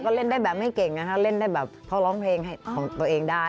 ก็เล่นได้แบบไม่เก่งนะครับเพราะเล่นเพลงของตัวเองได้